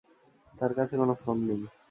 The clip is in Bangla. তার কাছে ফোন নেই।